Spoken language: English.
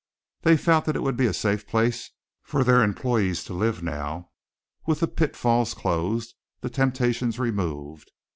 They felt that it would be a safe place for their employees to live now, with the pitfalls closed, the temptations removed.